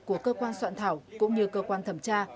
của cơ quan soạn thảo cũng như cơ quan thẩm tra